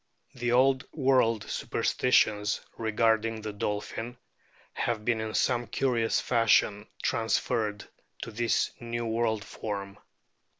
The old world superstitions regarding the dolphin have been in some curious fashion transferred to this new world form.